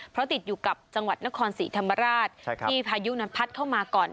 เพราะติดอยู่กับจังหวัดนครศรีธรรมราชที่พายุนั้นพัดเข้ามาก่อน